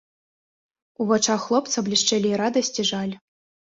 У вачах хлопца блішчэлі і радасць, і жаль.